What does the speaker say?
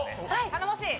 頼もしい。